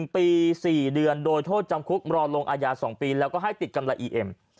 ๑ปี๔เดือนโดยโทษจำคุกรอลงอาญา๒ปีแล้วก็ให้ติดกำไรอีเอ็ม